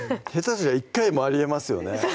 すりゃ１回もありえますよね